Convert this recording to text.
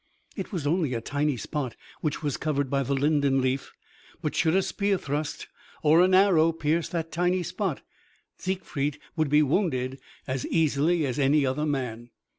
It was only a tiny spot which was covered by the linden leaf, but should a spear thrust, or an arrow pierce that tiny spot, Siegfried would be wounded as easily as any other man.